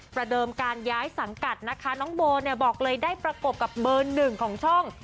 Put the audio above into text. เดิมการย้ายสังกัดนะคะน้องโบเนี่ยบอกเลยได้ประกบกับเบอร์หนึ่งของช่อง